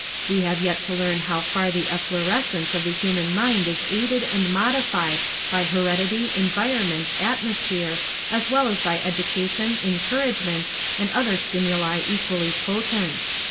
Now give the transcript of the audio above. We have yet to learn how far the efflorescence of the human mind is aided and modified by heredity, environment, atmosphere, as well as by education, encouragement and other stimuli equally potent.